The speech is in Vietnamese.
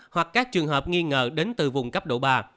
hoặc các trường hợp nghi ngờ đến từ vùng cấp độ ba